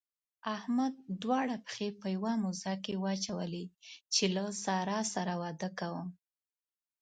احمد دواړه پښې په يوه موزه کې واچولې چې له سارا سره واده کوم.